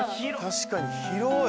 確かに広い。